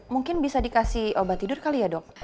mungkin bisa dikasih obat tidur kali ya dok